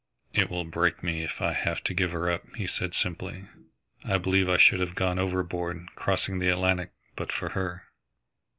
"It will break me if I have to give her up," he said simply. "I believe I should have gone overboard, crossing the Atlantic, but for her."